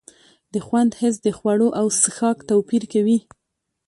د خوند حس د خوړو او څښاک توپیر کوي.